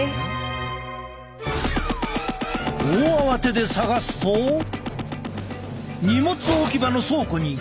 大慌てで探すと荷物置き場の倉庫に小箱が一つ。